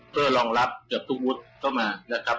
เพื่อรองรับเกือบทุกมุดเข้ามานะครับ